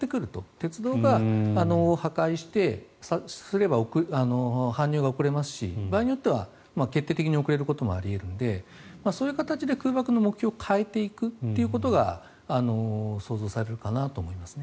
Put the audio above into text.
鉄道を破壊すれば搬入が遅れますし場合によっては決定的に遅れることもあり得るのでそういう形で空爆の目標を変えていくことが想像されるかなと思いますね。